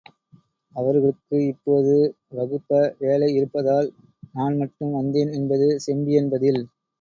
அவர்களுக்கு இப்போது வகுப்ப வேலை இருப்பதால் நான் மட்டும் வந்தேன் என்பது செம்பியன் பதில்.